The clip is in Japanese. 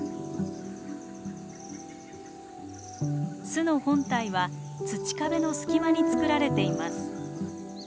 巣の本体は土壁の隙間に作られています。